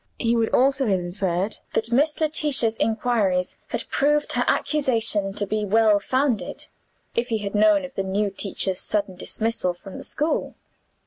He would also have inferred that Miss Letitia's inquiries had proved her accusation to be well founded if he had known of the new teacher's sudden dismissal from the school.